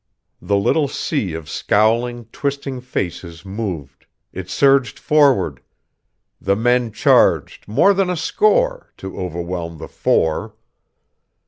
The little sea of scowling, twisting faces moved, it surged forward.... The men charged, more than a score, to overwhelm the four.